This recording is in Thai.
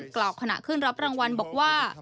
กล่าวขณะขึ้นรับรางวัลบอกว่า